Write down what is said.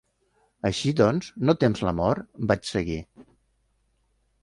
"Així doncs, no tems la mort?" vaig seguir.